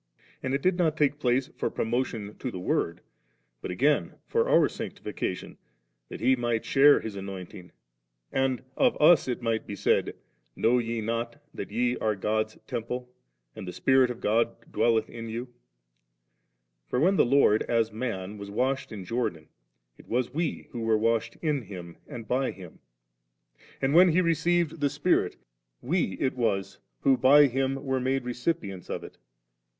And it did not take place for promotion to the Word, but again for our sanctification, that we might share His anointing, and of us it might be said, * Know ye not that ye are God's Temple, and the Spirit of God dwelleth in yous?' For when the Lord, as man, was washed in Jordan, it was we who were washed in Him and by Him^ And when He received the Spirit, we it was who by Him were made recipients of It.